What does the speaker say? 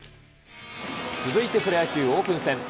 続いて、プロ野球オープン戦。